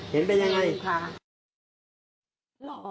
เห็นเป็นอย่างไร